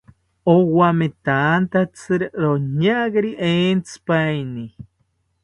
Owametanthatziri roñageri entzipaeni